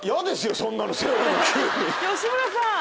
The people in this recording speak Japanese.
吉村さん。